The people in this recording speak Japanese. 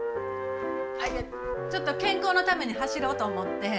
ちょっと健康のために走ろうと思って。